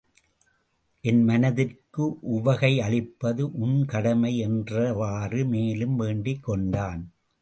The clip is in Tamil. என் மனத்திற்கு உவகை அளிப்பது உன் கடமை என்றிவ்வாறு மேலும் வேண்டிக் கொண்டான்.